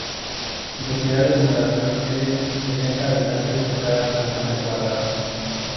Su densidad de población es de sesenta habitantes por cada kilómetro cuadrado.